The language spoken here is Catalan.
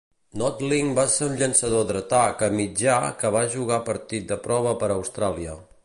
Nothling va ser un llançador dretà que mitjà que va jugar partit de prova per Austràlia.